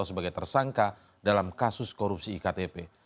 sebagai tersangka dalam kasus korupsi iktp